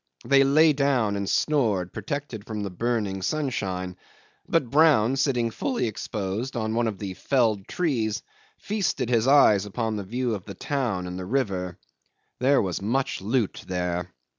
They lay down and snored, protected from the burning sunshine; but Brown, sitting fully exposed on one of the felled trees, feasted his eyes upon the view of the town and the river. There was much loot there.